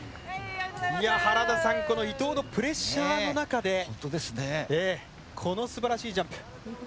原田さん、伊藤のプレッシャーの中でこの、すばらしいジャンプ。